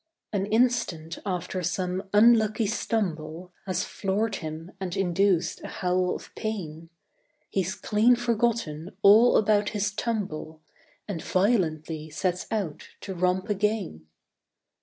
An instant after some unlucky stumble Has floored him and induced a howl of pain, He's clean forgotten all about his tumble And violently sets out to romp again.